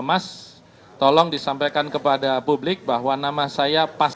mas tolong disampaikan kepada publik bahwa nama saya pas